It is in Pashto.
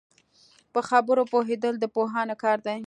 په خبرو پوهېدل د پوهانو کار دی